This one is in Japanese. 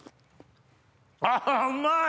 あうまい！